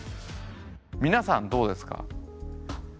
皆さんどうですか？